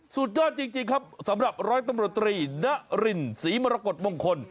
สุดยอดจริงครับสำหรับร้อยตำรวจตรีณรินศรีมรกฏมงคล